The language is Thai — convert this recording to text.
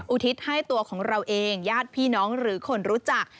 อุทิศให้ตัวของเราเองญาติพี่น้องหรือคนรู้จัก